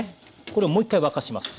これをもう１回沸かします。